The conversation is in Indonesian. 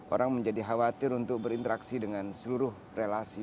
orang menjadi khawatir untuk berinteraksi dengan seluruh relasi